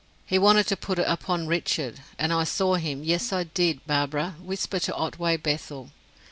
He wanted to put it upon Richard; and I saw him, yes I did, Barbara whisper to Otway Bethel.